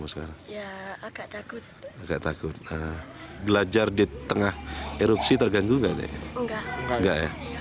enggak ya sudah biasa deh ya